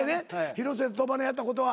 広末と鳥羽のやったことは。